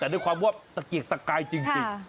แต่ด้วยความว่าตะเกียกตะกายจริง